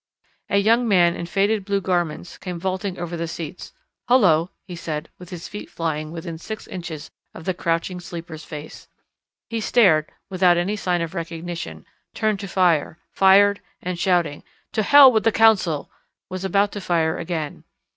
A young man in faded blue garments came vaulting over the seats. "Hullo!" he said, with his flying feet within six inches of the crouching Sleeper's face. He stared without any sign of recognition, turned to fire, fired, and shouting, "To hell with the Council!" was about to fire again.